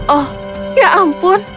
oh ya ampun